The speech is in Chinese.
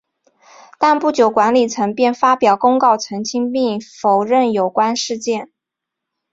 但不久管理层便发表公告澄清并否认有关事件。